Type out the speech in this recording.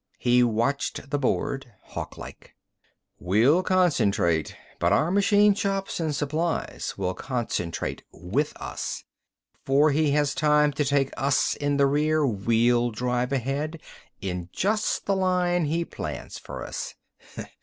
He watched the board, hawklike. "We'll concentrate, but our machine shops and supplies will concentrate with us. Before he has time to take us in rear we'll drive ahead, in just the line he plans for us!